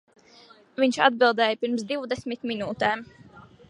Viņš atbildēja pirms divdesmit minūtēm.